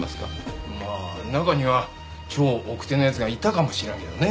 まあ中には超奥手な奴がいたかもしらんけどね。